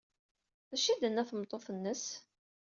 D acu ay d-tenna tmeṭṭut-nnes?